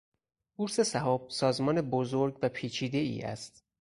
بورس سهام سازمان بزرگ و پیچیدهای است.